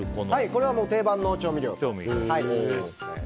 これは定番の調味料ですね。